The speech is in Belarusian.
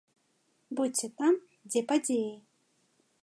Будзьце там, дзе падзеі.